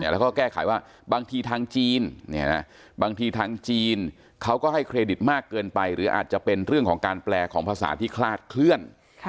แล้วก็แก้ไขว่าบางทีทางจีนบางทีทางจีนเขาก็ให้เครดิตมากเกินไปหรืออาจจะเป็นเรื่องของการแปลของภาษาที่คลาดเคลื่อน